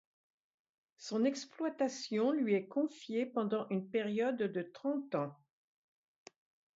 Son exploitation lui est confiée pendant une période de trente ans.